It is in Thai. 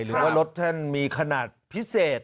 หรือว่ารถท่านมีขนาดพิเศษ